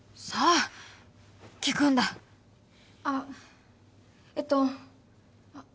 あっえっとあっ。